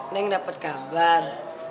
neng dapet kabar